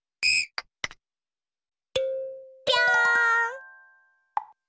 ぴょん！